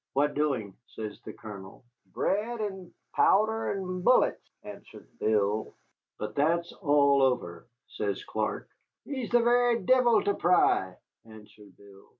"What doing?" says the Colonel. "Bread and powder and bullets," answered Bill. "But that's all over," says Clark. "He's the very devil to pry," answered Bill.